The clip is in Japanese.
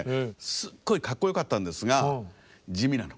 すっごいかっこよかったんですが地味なの。